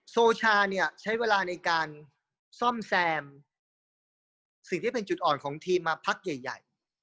โซชาเนี่ยใช้เวลาในการซ่อมแซมสิ่งที่เป็นจุดอ่อนของทีมมาพักใหญ่